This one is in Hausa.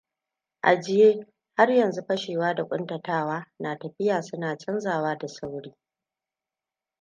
Ajiye har yanzu-fashewa da ƙuntatawa na tafiya suna canzawa da sauri.